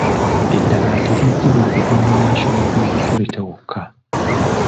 Eddagala teriggibwa kuva mu National drug authority wokka.